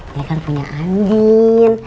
dia kan punya andien